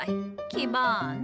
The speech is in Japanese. キバーナ。